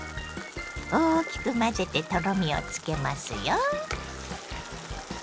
大きく混ぜてとろみをつけますよ。